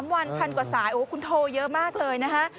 วันพันกว่าสายคุณโทรเยอะมากเลยนะฮะ